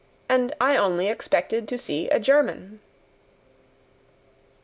And I only expected to see a German!"